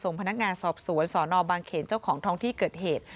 พนักงานสอบสวนสนบางเขนเจ้าของท้องที่เกิดเหตุ